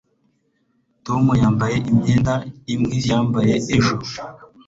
tom yambaye imyenda imwe yambaye ejo